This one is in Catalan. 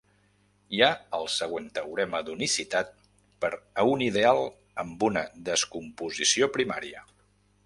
Hi ha el següent teorema d'unicitat per a un ideal amb una descomposició primària.